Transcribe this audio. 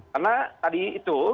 karena tadi itu